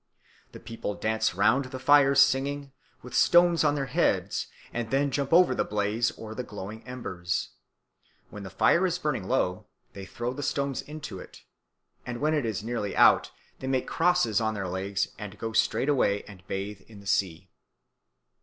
The people dance round the fires singing, with stones on their heads, and then jump over the blaze or the glowing embers. When the fire is burning low, they throw the stones into it; and when it is nearly out, they make crosses on their legs and then go straightway and bathe in the sea.